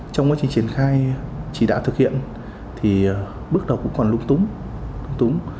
trong quá trình triển khai chỉ đạo thực hiện thì bước đầu cũng còn lung túng